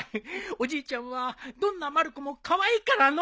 おじいちゃんはどんなまる子もカワイイからのう。